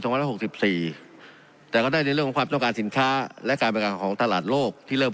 สองแรกหกสิบสี่แต่ก็ได้ในเรื่องของความต้องการสินค้าและการเป็นการของธนาคารโลกที่เริ่ม